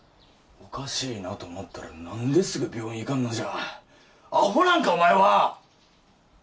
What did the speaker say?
おかしいなと思ったら何ですぐ病院行かんのじゃアホなんかお前は！